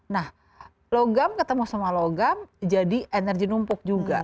nah logam ketemu sama logam jadi energi numpuk juga